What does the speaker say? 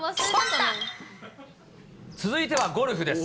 続いてはゴルフです。